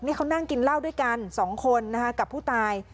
นี่เขานั่งกินเหล้าด้วยกัน๒คนกับผู้ตาย